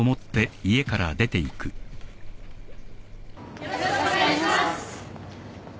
よろしくお願いします。